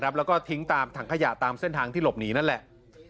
แล้วก็ทิ้งตามถังขยะตามเส้นทางที่หลบหนีนั่นแหละ